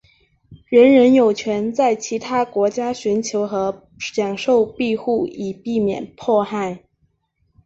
人人有权在其他国家寻求和享受庇护以避免迫害。